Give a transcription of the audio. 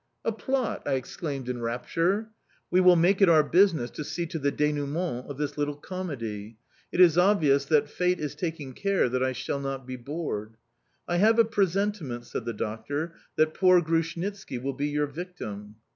"A plot!" I exclaimed in rapture. "We will make it our business to see to the denouement of this little comedy. It is obvious that fate is taking care that I shall not be bored!" "I have a presentiment," said the doctor, "that poor Grushnitski will be your victim."